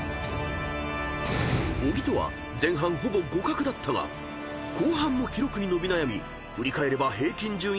［小木とは前半ほぼ互角だったが後半も記録に伸び悩み振り返れば平均順位